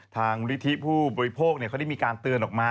ทางนิธิผู้บริโภคเขาได้มีการเตือนออกมา